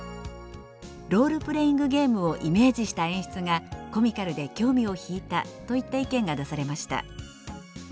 「ロールプレーイングゲームをイメージした演出がコミカルで興味を引いた」といった意見が出されました。